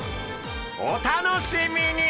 お楽しみに。